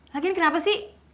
lagian kenapa sih